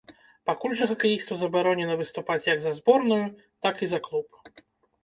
Пакуль жа хакеісту забаронена выступаць як за зборную, так і за клуб.